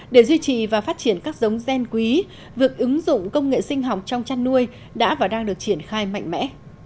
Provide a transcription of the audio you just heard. để duy trì và phát triển các giống gen quý việc ứng dụng công nghệ sinh học trong chăn nuôi đã và đang được triển khai mạnh mẽ